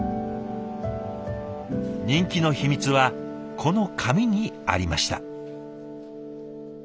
人気の秘密はこの紙にありました。